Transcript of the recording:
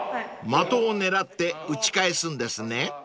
［的を狙って打ち返すんですね］